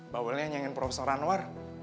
bawelnya nyanyiin profesor anwar